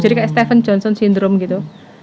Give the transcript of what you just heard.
jadi kayak steven johnson syndrome gitu